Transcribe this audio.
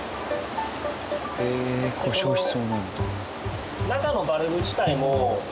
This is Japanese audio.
へえ故障しそうなんだ。